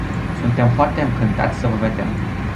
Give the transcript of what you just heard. Suntem foarte încântați să vă vedem.